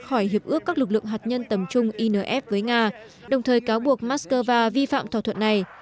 khỏi hiệp ước các lực lượng hạt nhân tầm trung inf với nga đồng thời cáo buộc moscow vi phạm thỏa thuận này